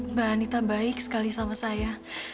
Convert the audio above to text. mbak anita baik sekali sama saya